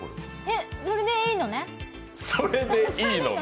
それでいいのね？